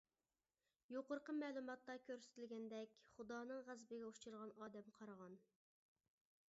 يۇقىرىقى مەلۇماتتا كۆرسىتىلگەندەك، خۇدانىڭ غەزىپىگە ئۇچرىغان ئادەم قارىغان.